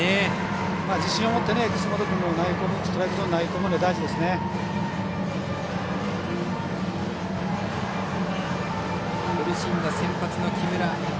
自信を持って楠本君もストライクゾーンに投げ込むのが大事ですね。